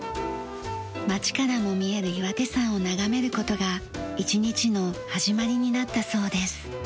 街からも見える岩手山を眺める事が一日の始まりになったそうです。